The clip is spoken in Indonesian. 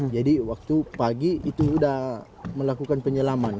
jadi waktu pagi itu sudah melakukan penyelaman